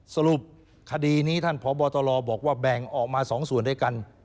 สรุปคดีนี้ท่านพบตรบอกว่าแบ่งออกมา๒ส่วนด้วยกัน